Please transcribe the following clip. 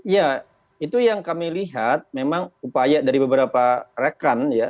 ya itu yang kami lihat memang upaya dari beberapa rekan ya